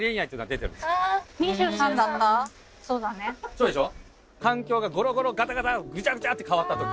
そうでしょ？